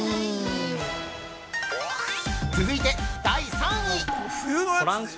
◆続いて、第３位。